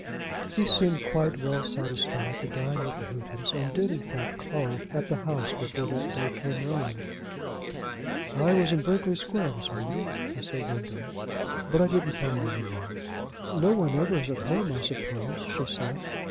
He seemed quite well satisfied to dine with the Houghtons, and did, in fact, call at the house before that day came round. "I was in Berkeley Square this morning," he said one day, "but I didn't find any one." "Nobody ever is at home, I suppose," she said.